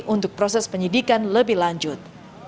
untuk proses penyidikan lebih lanjut